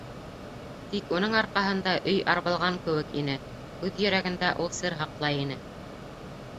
Тик уның арҡаһында өй арбалған кеүек ине: үҙ йөрәгендә ул сер һаҡлай ине...